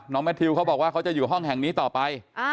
แมททิวเขาบอกว่าเขาจะอยู่ห้องแห่งนี้ต่อไป